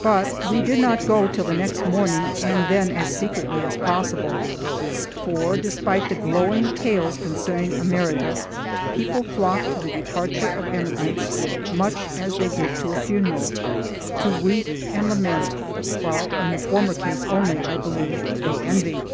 But we did not go till the next morning, and then as secretly as possible. For, despite the glowing tales concerning America, people flocked to the departure of emigrants much as they did to a funeral; to weep and lament while (in the former case only, I believe) they envied.